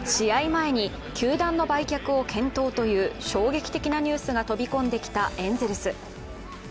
前に球団の売却を検討という衝撃的なニュースが飛び込んできたエンゼルス。